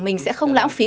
mình sẽ không lãng phí